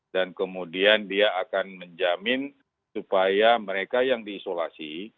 dan kemudian dia akan menjamin supaya mereka yang diisolasi